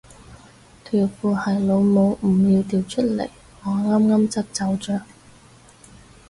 條褲係老母唔要掉出嚟我啱啱執走着